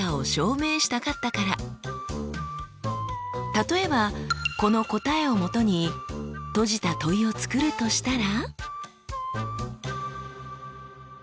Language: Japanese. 例えばこの答えをもとに閉じた問いを作るとしたら？